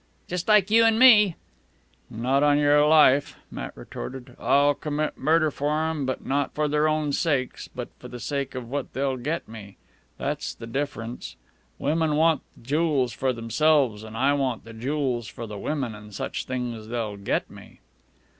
"Just like you an' me." "Not on your life," Matt retorted. "I'll commit murder for 'em, but not for their own sakes, but for the sake of what they'll get me. That's the difference. Women want the jools for themselves, an' I want the jools for the women an' such things they'll get me."